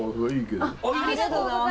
ありがとうございます。